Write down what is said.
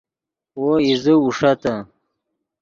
وو ایزے اوݰتے